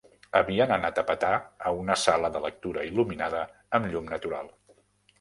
Havien anat a petar a una sala de lectura il·luminada amb llum natural.